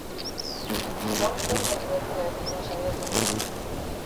Gaur zerbait berria egiten saiatu naiz.